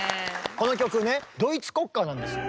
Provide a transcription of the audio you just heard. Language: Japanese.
この曲ねドイツ国歌なんですよ。